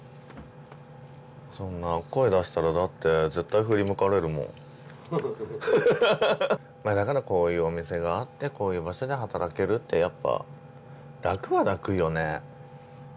そんな声出したらだって絶対振り向かれるもんふふふふだからこういうお店があってこういう場所で働けるってやっぱ楽は楽よね